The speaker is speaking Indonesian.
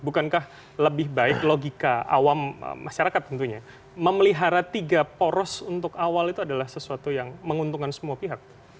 bukankah lebih baik logika awam masyarakat tentunya memelihara tiga poros untuk awal itu adalah sesuatu yang menguntungkan semua pihak